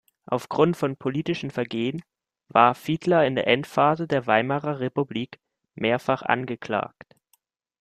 Aufgrund von politischen Vergehen war Fiedler in der Endphase der Weimarer Republik mehrfach angeklagt.